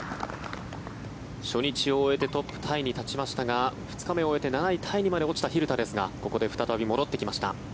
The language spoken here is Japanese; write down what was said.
初日を終えてトップタイに立ちましたが２日目を終えて７位タイにまで落ちた蛭田ですがここで再び戻ってきました。